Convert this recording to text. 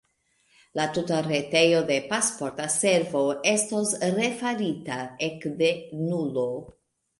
La tuta retejo de Pasporta Servo estos refarita ekde nulo.